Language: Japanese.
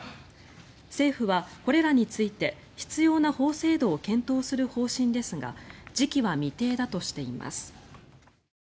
政府はこれらについて必要な法制度を検討する方針ですが時期は未定だとしています。